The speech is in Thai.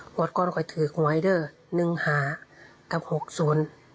หัวก้อนคอยถือไวเดอร์๑หากับ๖ศูนย์